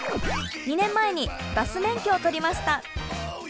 ２年前にバス免許を取りました。